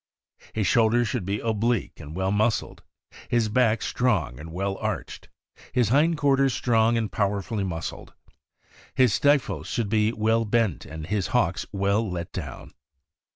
His shoulders should be oblique and well muscled, his back strong and well arched, his hind quarters strong and powerfully muscled. His stifles should be well bent and his hocks well let dowrn.